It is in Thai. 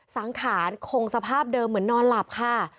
สังขารคงสภาพเดิมเหมือนนอนหลับค่ะ